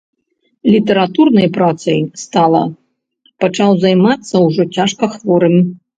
Літаратурнай працай стала пачаў займацца ўжо цяжка хворым.